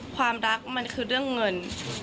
ความรักมันคือเรื่องเงิน